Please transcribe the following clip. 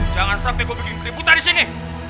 jangan sampe gue bikin peributa disini